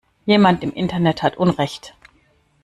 Jemand im Internet hat unrecht.